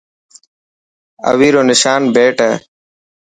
اوي رو نشان بيٽ هي.